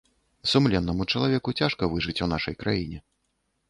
Сумленнаму чалавеку цяжка выжыць у нашай краіне.